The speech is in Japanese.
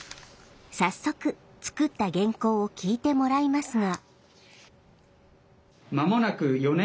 早速作った原稿を聞いてもらいますが。